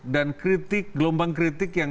dan gelombang kritik yang